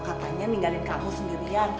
katanya ninggalin kamu sendirian